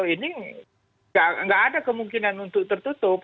ini nggak ada kemungkinan untuk tertutup